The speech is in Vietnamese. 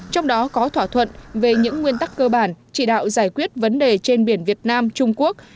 trong đó có thỏa thuận về những nguyên tắc cơ bản chỉ đạo giải quyết vấn đề trên biển việt nam trung quốc